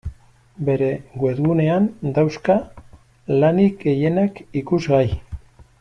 Bere webgunean dauzka lanik gehienak ikusgai.